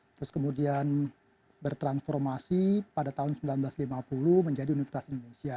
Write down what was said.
terus kemudian bertransformasi pada tahun seribu sembilan ratus lima puluh menjadi universitas indonesia